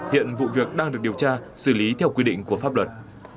hiện vụ việc đang được điều tra xử lý theo quy định của pháp luật